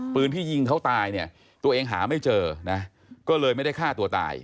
ปืนที่ยิงเขาตายเนี่ยตัวเองหาไม่เจอนะก็เลยไม่ได้ฆ่าตัวตาย